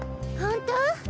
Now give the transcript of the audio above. ほんと？